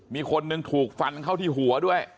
มีคนหนึ่งถูกฟันเข้าที่หัวด้วย